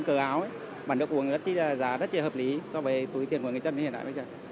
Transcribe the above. giá từ áo bản đồ uống giá rất là hợp lý so với tuổi tiền của người chân hiện tại